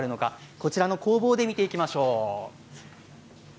こちらの工房で見ていきましょう。